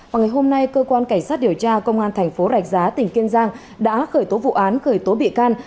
và ngày hôm nay cơ quan cảnh sát điều tra công an tp rạch giá tỉnh kiên giang đã khởi tố vụ án khởi tố bị can